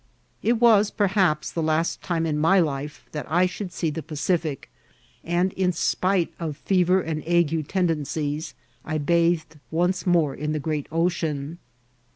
It was perhaps the last time in my life that I riiould see the Pacifio ; and in spite of fever and ague tendencies, I bathed once more in the great ocean.